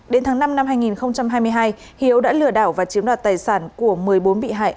đến tháng năm năm hai nghìn hai mươi hai hiếu đã lừa đảo và chiếm đoạt tài sản của một mươi bốn bị hại